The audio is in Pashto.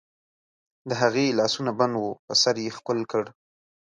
د هغې لاسونه بند وو، په سر یې ښکل کړ.